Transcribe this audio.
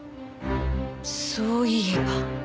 そういえば。